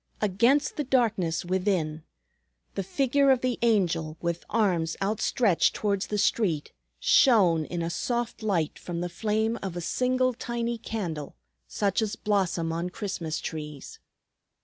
Against the darkness within, the figure of the Angel with arms outstretched towards the street shone in a soft light from the flame of a single tiny candle such as blossom on Christmas trees.